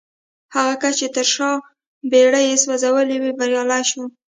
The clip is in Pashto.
هغه کس چې تر شا بېړۍ يې سوځولې وې بريالی شو.